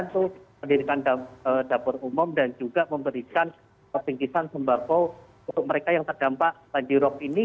untuk pendidikan dapur umum dan juga memberikan bingkisan sembako untuk mereka yang terdampak banjirrop ini